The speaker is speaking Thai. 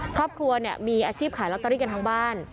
ครอบครัวมีอาชีพขายลอตเตอรี่กันทั้งบ้าน